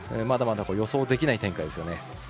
まだまだ予想できない展開です。